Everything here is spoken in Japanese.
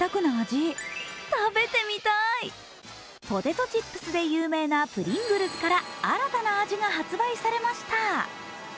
ポテトチップスで有名なプリングルズから新たな味が発売されました。